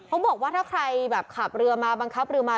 เขาบอกว่าถ้าใครแบบขับเรือมาบังคับเรือมา